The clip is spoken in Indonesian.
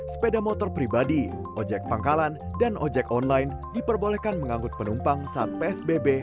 sepeda motor pribadi ojek pangkalan dan ojek online diperbolehkan mengangkut penumpang saat psbb